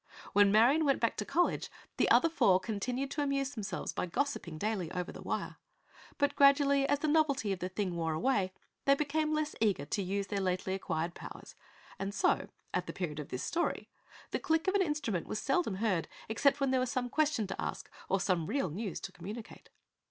When Marion went back to college the other four continued to amuse themselves by gossiping daily over the wire; but gradually, as the novelty of the thing wore away, they became less eager to use their lately acquired powers and so, at the period of this story, the click of an instrument was seldom heard except when there was some question to ask or some real news to communicate.